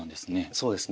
そうですね。